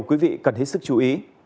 quý vị cần hết sức chú ý